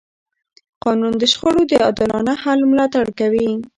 قانون د شخړو د عادلانه حل ملاتړ کوي.